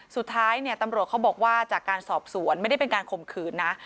สุดท้ายเนี่ยตำรวจเขาบอกว่าจากการสอบสวนไม่ได้เป็นการข่มขืนนะ